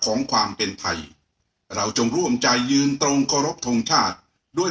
ของความเป็นไทยเราจงร่วมใจยืนตรงเคารพทงชาติด้วย